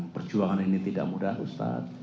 perjuangan ini tidak mudah ustadz